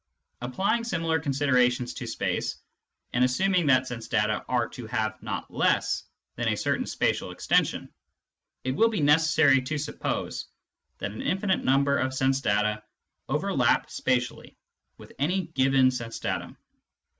Applying similar considerations to space, and assuming that sense data are to have not less than a certain spatial extension, it will be necessary to suppose that an infinite number of sense data overlap spatially with any given sense datum.